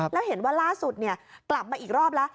แล้วเห็นว่าร่าสุดเนี่ยกลับมาอีกรอบละ